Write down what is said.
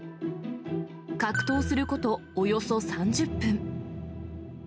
格闘することおよそ３０分。